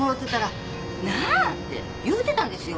なあ？って言うてたんですよ